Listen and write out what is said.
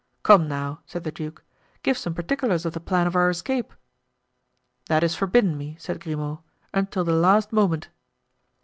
"Come, now," said the duke, "give some particulars of the plan for our escape." "That is forbidden me," said Grimaud, "until the last moment."